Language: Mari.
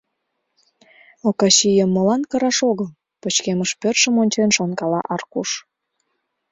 «Окачийым молан кыраш огыл? — пычкемыш пӧртшым ончен шонкала Аркуш.